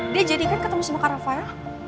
dia jadikan ketemu sama kak rafael